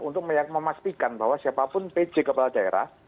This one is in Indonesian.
untuk memastikan bahwa siapapun pj kepala daerah